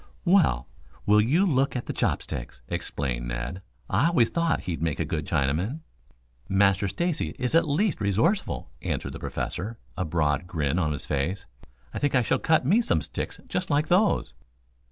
"Well, will you look at the chopsticks!" exclaimed Ned. "I always thought he'd make a good Chinaman." "Master Stacy is at least resourceful," answered the Professor, a broad grin on his face. "I think I shall cut me some sticks just like those."